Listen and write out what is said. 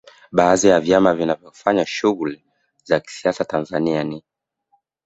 Baadhi ya vyama vinavyofanya shughuli za kisiasa Tanzania ni